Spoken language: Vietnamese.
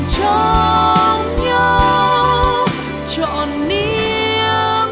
chọn niềm tin